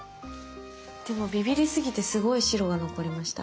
でもビビりすぎてすごい白が残りました。